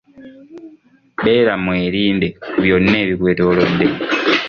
Beera mwerinde ku byonna ebikwetoolodde.